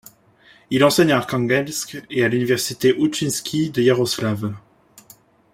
Il enseigne à Arkhangelsk et à l'université Ouchinski de Iaroslavl.